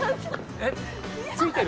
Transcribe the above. えっ付いてる？